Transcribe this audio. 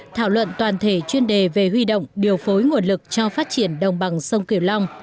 thảo luận toàn thể chuyên đề về huy động điều phối nguồn lực cho phát triển đồng bằng sông cửu long